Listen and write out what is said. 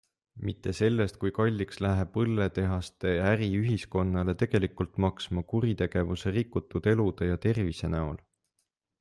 Mitte sellest, kui kalliks läheb õlletehaste äri ühiskonnale tegelikult maksma kuritegevuse, rikutud elude ja tervise näol.